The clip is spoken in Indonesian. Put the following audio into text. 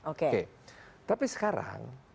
oke tapi sekarang